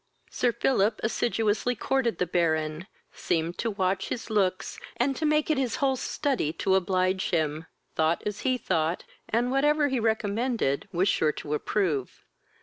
Sir Philip assiduously courted the Baron, seemed to watch his looks, and to make it his whole study to oblige him, thought as he thought, and, whatever he recommended, was sure to approve.